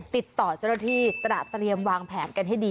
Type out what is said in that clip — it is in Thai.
ติดต่อเจ้าหน้าที่ตระเตรียมวางแผนกันให้ดี